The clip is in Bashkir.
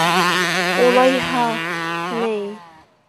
Улайһа... ней...